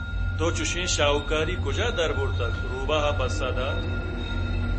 تو چُشیں شاہوکاری کُجا دربُرتگ؟ رُوباہ ءَ پسّہ دات